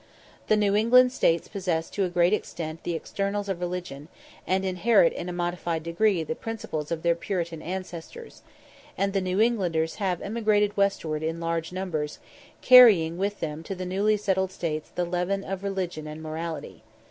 The New England States possess to a great extent the externals of religion, and inherit in a modified degree the principles of their Puritan ancestors; and the New Englanders have emigrated westward in large numbers, carrying with them to the newly settled States the leaven of religion and morality.